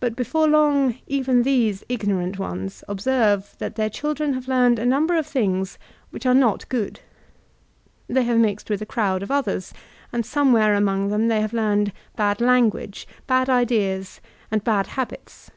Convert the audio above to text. But before long even these ignorant ones ob serve that their children have learned a number of things which are not good. They have mixed with a crowd of others, and somewhere among them they have learned bad language, bad ideas, and bad habits.